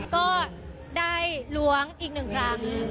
ก็ได้ล้วงอีกหนึ่งครั้ง